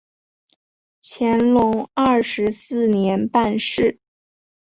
乾隆二十四年办事。